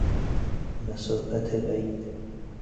مسافت بعید